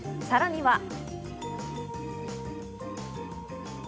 さらには。